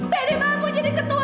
bede banget mau jadi ketua